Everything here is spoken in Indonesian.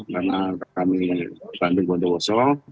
karena kami bandung bantewoso